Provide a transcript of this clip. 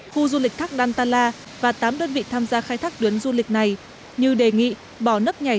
khu du lịch thác dantala và tám đơn vị tham gia khai thác tuyến du lịch này như đề nghị bỏ nấp nhảy